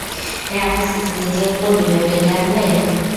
Ramesses, নিজের উপর বিপদ ডেকে আনলে।